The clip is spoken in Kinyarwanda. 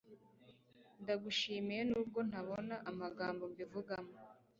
ndagushimiye nubwo ntabona amagambo mbivugamo